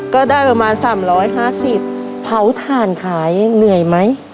ก็ได้ประมาณสามร้อยห้าสิบเผาถ่านขายเหนื่อยไหม